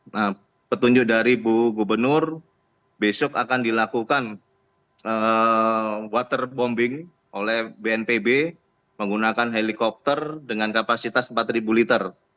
nah petunjuk dari bu gubernur besok akan dilakukan waterbombing oleh bnpb menggunakan helikopter dengan kapasitas empat liter